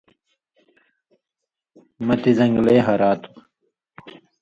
مہ تی زن٘گلے ہرا تُھو